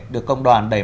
được công đoàn đẩy phá